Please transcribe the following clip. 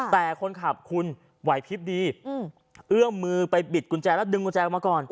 แต่คนขับคุณไหวพลิบดีเอื้อมมือไปบิดกุญแจแล้วดึงกุญแจออกมาก่อน